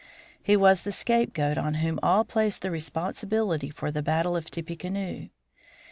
He was the scapegoat on whom all placed the responsibility for the battle of Tippecanoe.